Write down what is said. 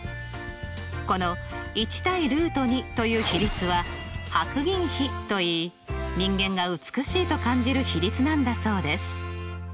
この１対という比率は白銀比といい人間が美しいと感じる比率なんだそうです。